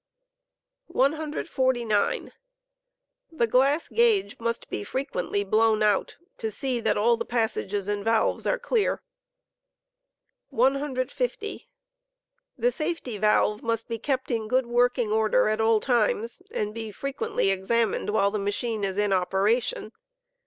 » U9. The glass gauge must be frequently "blown out," to see that all the passages and valves are clear. safe^ TaiTo. 150. The safety valve mast be kept in good working* order at all times, and be fre quently examined while the machine is in operation.